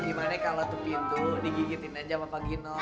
gimana kalau itu pintu digigitin aja sama pak gino